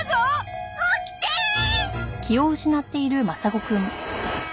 起きてーっ！